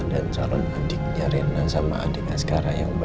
dan calon adiknya rina sama adik askara yang baru ya